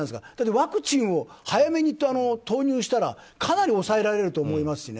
ワクチンを早めに投入したらかなり抑えられると思いますしね。